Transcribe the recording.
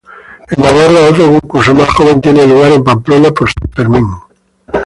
En Navarra otro concurso más joven tiene lugar en Pamplona por San Fermín.